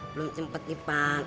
belum sempet dipake